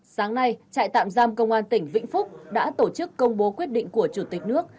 sáng nay trại tạm giam công an tỉnh vĩnh phúc đã tổ chức công bố quyết định của chủ tịch nước